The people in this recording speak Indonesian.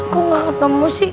kok gak ketemu sih